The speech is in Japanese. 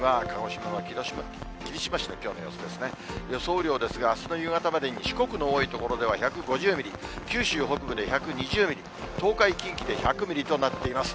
雨量ですが、あすの夕方までに四国の多い所では１５０ミリ、九州北部で１２０ミリ、東海、近畿で１００ミリとなっています。